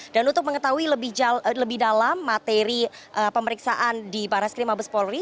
dan untuk mengetahui lebih dalam materi pemeriksaan di baras krim mabes polri